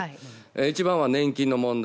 一番は年金の問題。